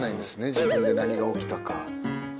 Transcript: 自分で何が起きたか。